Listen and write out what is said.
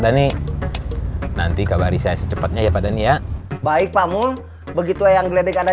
dhani nanti kabar saya secepatnya ya pada nia baik pamul begitu yang gledek ada